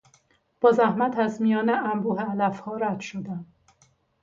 با زحمت از میان انبوه علفها رد شدم.